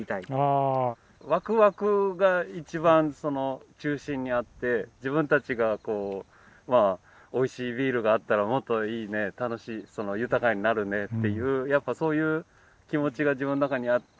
ワクワクが一番その中心にあって自分たちがおいしいビールがあったらもっといいね楽しい豊かになるねっていうやっぱそういう気持ちが自分の中にあって。